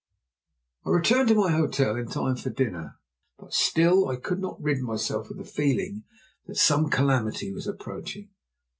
I returned to my hotel in time for dinner, but still I could not rid myself of the feeling that some calamity was approaching.